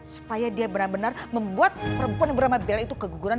supaya dia benar benar membuat perempuan yang bernama bella itu keguguran